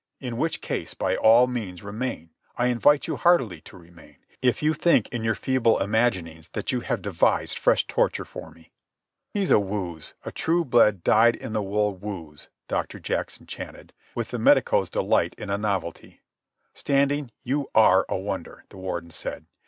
In which case, by all means remain. I invite you heartily to remain, if you think in your feeble imaginings that you have devised fresh torture for me." "He's a wooz, a true blue, dyed in the wool wooz," Doctor Jackson chanted, with the medico's delight in a novelty. "Standing, you are a wonder," the Warden said.